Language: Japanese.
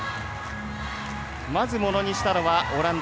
まずものにしたのはオランダ。